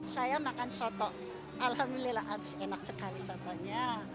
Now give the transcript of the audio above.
saya makan soto alhamdulillah enak sekali sotonya